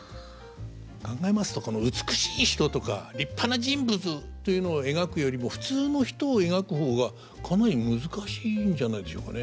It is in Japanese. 考えますと美しい人とか立派な人物というのを描くよりも普通の人を描く方がかなり難しいんじゃないでしょうかね？